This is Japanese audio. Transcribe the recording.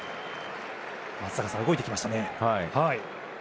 松坂さん、動いてきましたね。